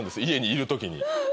家にいる時に。